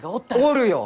おるよ！